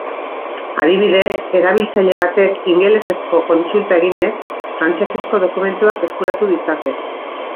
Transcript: Adibidez, erabiltzaile batek ingelesezko kontsulta eginez, frantsesezko dokumentuak eskuratu ditzake.